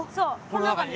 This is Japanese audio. この中に？